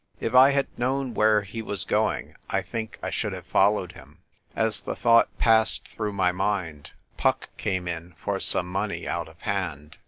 If I had known where he was going I think I should have followed him. As the thought passed through my mind, Puck came in for some money out of hand.